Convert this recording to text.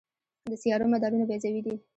د سیارو مدارونه بیضوي دي.